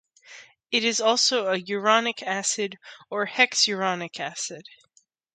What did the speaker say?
It is also a uronic acid or hexuronic acid.